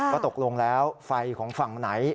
ว่าตกลงแล้วไฟของฝั่งไหน